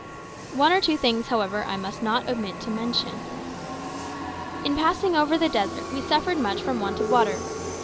One or two things, however, I must not omit to mention. In passing over the desert we suffered much from want of water.